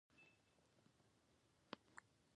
مارکېټ د یو شمېر شرکتونو له لوري انحصار شي.